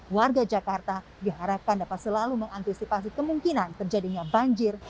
warga jakarta diharapkan dapat selalu mengantisipasi kemungkinan terjadinya banjir